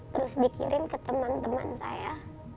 terus dikirim ke teman teman saya